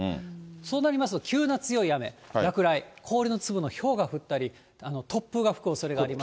そうなりますと、急な強い雨、落雷、氷の粒のひょうが降ったり、突風が吹くおそれがあります。